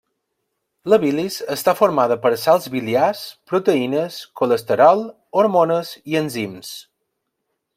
La bilis està formada per sals biliars, proteïnes, colesterol, hormones i enzims.